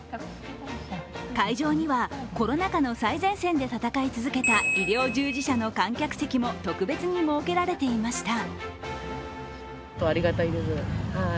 会場にはコロナ禍の最前線で闘い続けた医療従事者の観客席も特別に設けられていました。